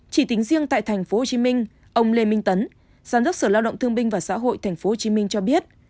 chỉ tính riêng tại tp hcm ông lê minh tấn giám đốc sở lao động thương binh và xã hội tp hcm cho biết